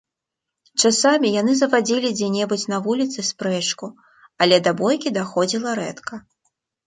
Часамі яны завадзілі дзе-небудзь на вуліцы спрэчку, але да бойкі даходзіла рэдка.